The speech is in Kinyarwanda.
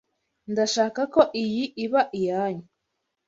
Ndashaka ko iyi iba iyanyu.